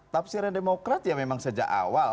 tafsirnya demokrat ya memang sejak awal